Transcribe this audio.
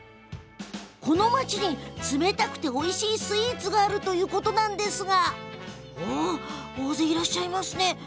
この町に冷たくておいしいスイーツがあるということなんですがあ、人が集まってらっしゃる！